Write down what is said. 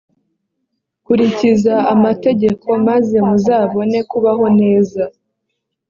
kurikiza amategeko , maze muzabone kubaho neza